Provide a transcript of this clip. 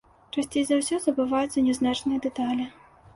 Часцей за ўсё забываюцца нязначныя дэталі.